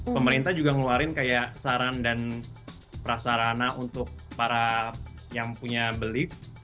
pemerintah juga ngeluarin kayak saran dan prasarana untuk para yang punya belips